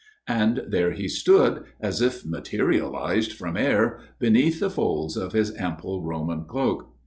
And there he stood, as if materialized from air, beneath the folds of his ample Roman cloak.